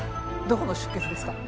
どこの出血ですか？